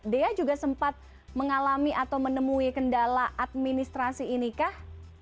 dea juga sempat mengalami atau menemui kendala administrasi ini kah